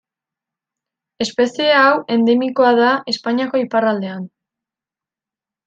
Espezie hau endemikoa da Espainiako iparraldean.